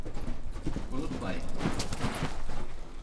Unutmayın!